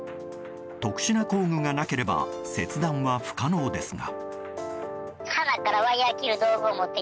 特殊な工具がなければ切断は不可能ですが。